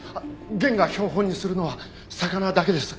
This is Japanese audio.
源が標本にするのは魚だけです。